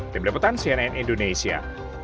tim leputan cnn indonesia